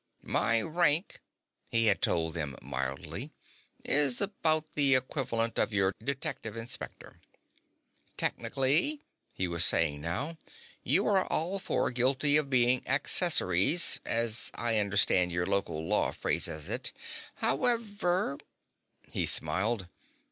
"My rank," he had told them mildly, "is about the equivalent of your Detective Inspector." "Technically," he was saying now, "you are all four guilty of being accessories as I understand your local law phrases it. However " He smiled.